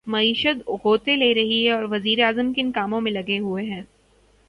معیشت غوطے لے رہی ہے اور وزیر اعظم کن کاموں میں لگے ہوئے ہیں۔